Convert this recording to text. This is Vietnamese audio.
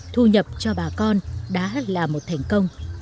thu nhập cho bà con đã là một thành công